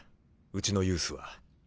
うちのユースは。